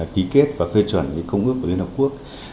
ký kết và phê chuẩn công ước của liên hợp quốc